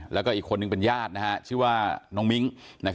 แล้วก็อีกคนนึงเป็นญาติชื่อว่าน้องมิ้ง